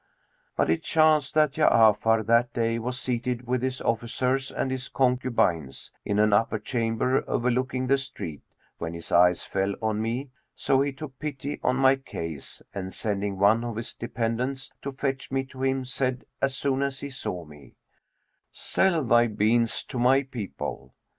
But it chanced that Ja'afar that day was seated with his officers and his concubines, in an upper chamber overlooking the street when his eyes fell on me; so he took pity on my case and, sending one of his dependents to fetch me to him, said as soon as he saw me, 'Sell thy beans to my people.'